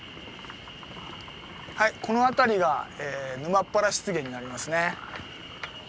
はいこの辺りが沼ッ原湿原になりますね。